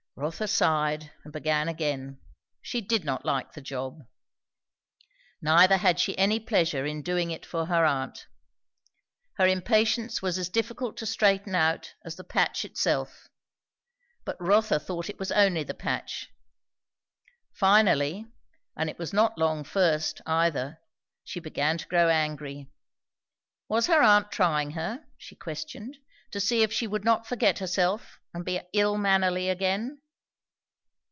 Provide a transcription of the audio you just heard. Rotha sighed and began again. She did not like the job. Neither had she any pleasure in doing it for her aunt. Her impatience was as difficult to straighten out as the patch itself, but Rotha thought it was only the patch. Finally, and it was not long first, either, she began to grow angry. Was her aunt trying her, she questioned, to see if she would not forget herself and be ill mannerly again?